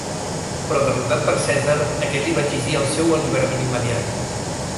Però derrotat per Cèsar, aquest li va exigir el seu alliberament immediat.